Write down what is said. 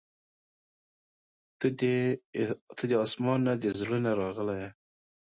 • ته د اسمان نه، د زړه نه راغلې یې.